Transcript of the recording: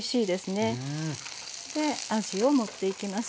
であじを盛っていきます。